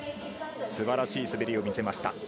素晴らしい滑りを見せました。